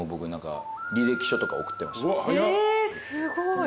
えすごい。